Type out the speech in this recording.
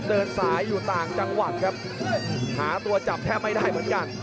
เดินสายอยู่ต่างจังหวัดครับหาตัวจับแทบไม่ได้เหมือนกัน